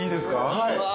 はい。